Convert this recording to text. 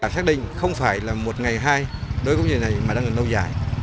xác định không phải là một ngày hai đối với dịch này mà đang lâu dài